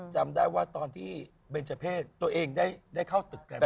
จำได้ว่าตอนที่เบนเจอร์เพศตัวเองได้เข้าตึกแรม